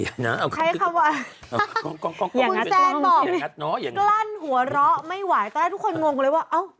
คุณแซนบอกนี่กลั้นหัวเราะไม่ไหวตอนนี้ทุกคนงงเลยว่า